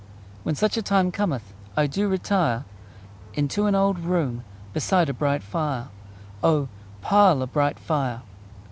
When such a time cometh I do retire Into an old room Beside a bright fire: O, pile a bright fire!